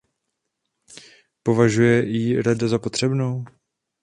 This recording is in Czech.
Považuje ji Rada za potřebnou?